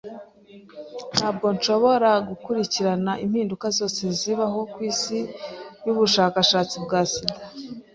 Ntabwo nshobora gukurikirana impinduka zose zibaho kwisi yubushakashatsi bwa sida.